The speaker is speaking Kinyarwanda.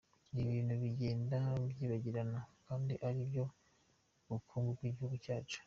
Ibi bintu bigenda byibagirana kandi ari byo bukungu bw’igihugu cyacu.